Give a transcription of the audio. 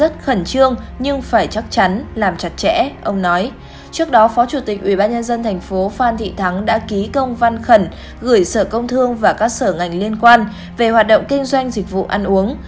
trước đó phó chủ tịch ubnd tp phan thị thắng đã ký công văn khẩn gửi sở công thương và các sở ngành liên quan về hoạt động kinh doanh dịch vụ ăn uống